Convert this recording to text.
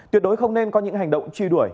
tuyệt đối không nên có những hành động truy đuổi